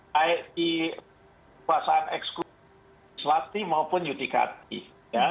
baik di puasaan eksklusif legislatif maupun yudikatif